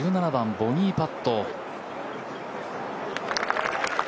１７番、ボギーパット。